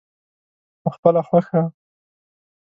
پخپله خوښه.